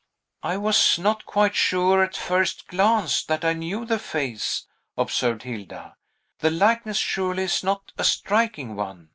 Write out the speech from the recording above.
"I was not quite sure, at first glance, that I knew the face," observed Hilda; "the likeness surely is not a striking one.